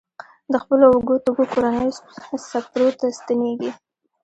د خپلو وږو تږو کورنیو څپرو ته ستنېږي.